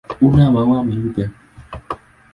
Una maua meupe.